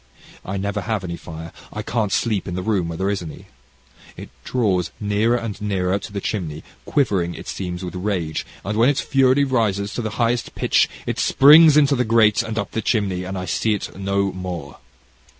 I never have any fire. I can't sleep in the room where there is any, and it draws nearer and nearer to the chimney, quivering, it seems, with rage, and when its fury rises to the highest pitch, it springs into the grate, and up the chimney, and I see it no more.